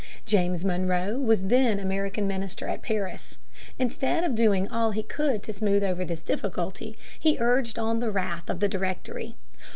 James Monroe was then American minister at Paris. Instead of doing all he could to smooth over this difficulty, he urged on the wrath of the Directory.